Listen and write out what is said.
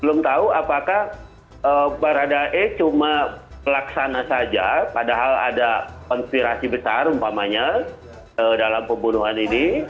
belum tahu apakah baradae cuma pelaksana saja padahal ada konspirasi besar umpamanya dalam pembunuhan ini